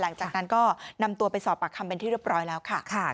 หลังจากนั้นก็นำตัวไปสอบปากคำเป็นที่เรียบร้อยแล้วค่ะ